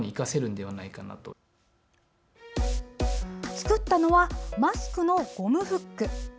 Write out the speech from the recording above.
作ったのはマスクのゴムフック。